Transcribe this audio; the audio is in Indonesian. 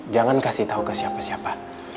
jangan kasih tahu ke siapa siapa